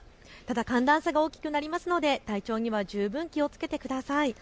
ただ寒暖差が大きくなりますので体調には十分気をつけてください。